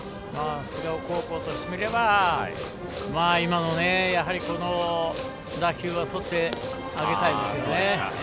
菅生高校としてみれば今の打球はとってあげたいですよね。